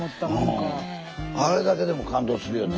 あれだけでも感動するよね。